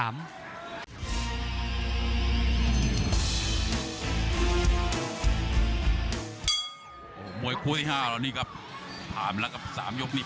โมยครัวที่๕แล้วนี่ครับผ่านแล้วกับ๓ยกนี่